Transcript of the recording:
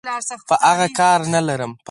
په اغه کار نلرم.